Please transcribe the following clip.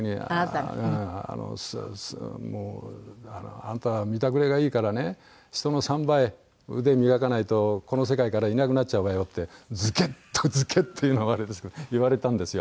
「あんた見てくれがいいからね人の３倍腕磨かないとこの世界からいなくなっちゃうわよ」ってズケッと「ズケッ」というのもあれですけど言われたんですよ。